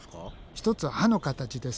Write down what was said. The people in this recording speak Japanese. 一つは歯の形です。